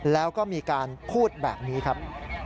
แล้วก็มีการพูดแบบนี้ครับ